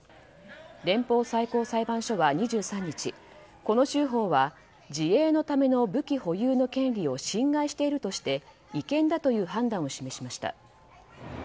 連邦最高裁判所は２３日この州法は自衛のための武器保有のための権利を侵害しているとして違憲だという判断を示しました。